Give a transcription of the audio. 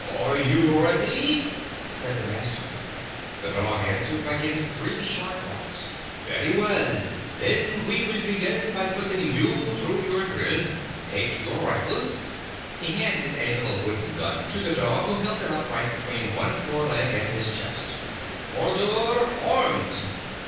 "Are you ready?" said his master. The dog answered by giving three short barks. "Very well; then we will begin by putting you through your drill. Take your rifle." He handed a little wooden gun to the dog, who held it upright between one foreleg and his chest. " Order arms